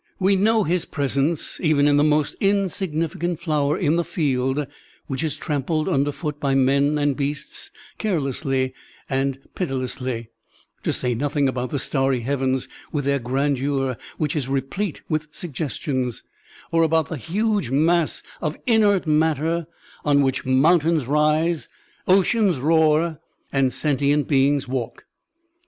We know his presence even in the most insignificant flower in the field which is trampled tmder foot by men and beasts carelessly and pitilessly, to say nothing about the starry heavens with their grandeur which is replete with suggestions, or about the huge mass of inert matter on which motmtains rise, oceans roar, and sentient beings walk.